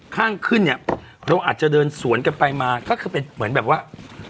ข้างขึ้นเนี่ยเราอาจจะเดินสวนกันไปมาก็คือเป็นเหมือนแบบว่า